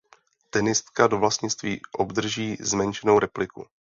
Tenistka do vlastnictví obdrží zmenšenou repliku.